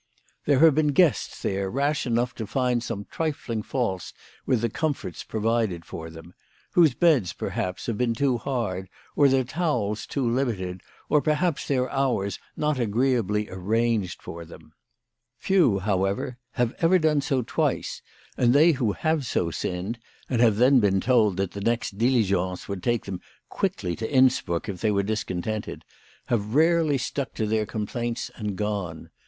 There have been guests there rash enough to find some trifling faults with the comforts provided for them, whose beds perhaps have been too hard, or their towels too limited, or perhaps their hours not agreeably arranged for them. Few, how ever, have ever done so twice, and they who have so sinned, and have then been told that the next dili gence would take them quickly to Innsbruck if they were discontented, have rarely stuck to their com WHY FRAU FROHMANN RAISED HER PRICES. 13 plaints and gone.